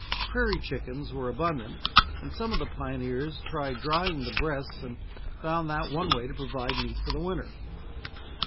Prairie chickens were abundant, and some of the pioneers tried drying the breasts and found that one way to provide meat for the winter.